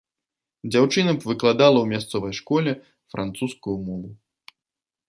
Дзяўчына б выкладала ў мясцовай школе французскую мову.